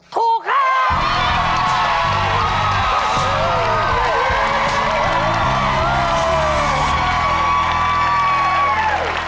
ถูกครับ